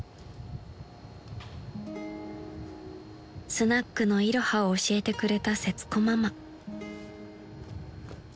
［スナックのいろはを教えてくれたせつこママ］